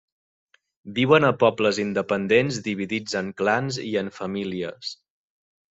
Viuen a pobles independents dividits en clans i en famílies.